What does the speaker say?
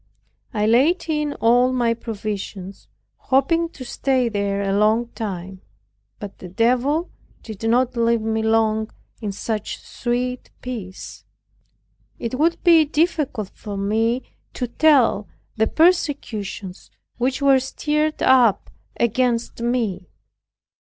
I laid in all my provisions, hoping to stay there a long time; but the Devil did not leave me long in such sweet peace. It would be difficult for me to tell the persecutions which were stirred up against me.